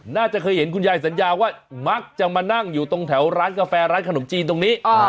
น่าจะเคยเห็นคุณยายสัญญาว่ามักจะมานั่งอยู่ตรงแถวร้านกาแฟร้านขนมจีนตรงนี้